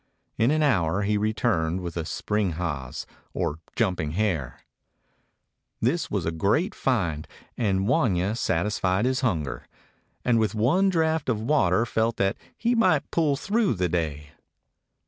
In an hour he returned with a spring haas, or jumping hare. This was a great find, and Wanya satisfied his hunger, and with one draft of water felt that he might pull through the day.